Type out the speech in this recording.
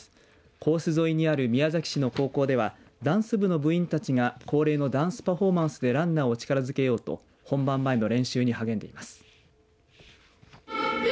コース沿いにある宮崎市の高校ではダンス部の部員たちが恒例のダンスパフォーマンスでランナーを力づけようと本番前の練習に励んでいます。